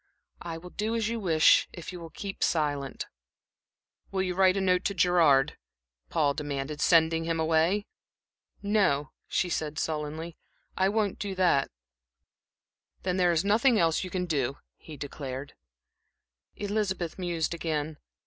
"I will do as you wish, if you will keep silent." "Will you write a note to Gerard," Paul demanded, "sending him away?" "No," she said, sullenly. "I won't do that." "Then there is nothing else you can do," he declared. Elizabeth mused again.